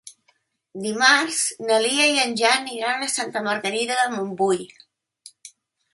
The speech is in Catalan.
Dimarts na Lia i en Jan iran a Santa Margarida de Montbui.